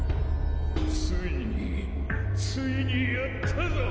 ついについにやったぞ！